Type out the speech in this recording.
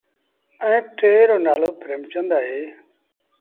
ائيٚݩ ٽي رو نآلو پريمچند اهي۔